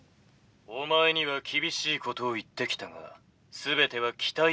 「お前には厳しいことを言ってきたが全ては期待しているからだ」。